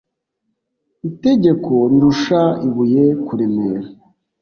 Itegeko rirusha ibuye kuremera